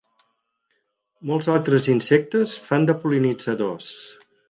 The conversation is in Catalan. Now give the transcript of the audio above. Molts altres insectes fan de pol·linitzadors.